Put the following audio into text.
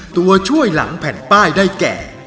ตัวช่วยหลังแผ่นป้ายได้แก่